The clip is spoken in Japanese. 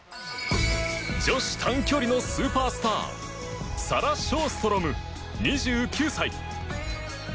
女子短距離のスーパースターサラ・ショーストロム、２９歳。